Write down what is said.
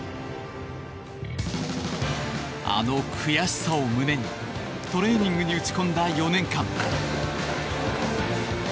あの悔しさを胸にトレーニングに打ち込んだ４年間。